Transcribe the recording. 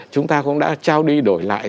chúng ta cũng đã trao đi đổi lại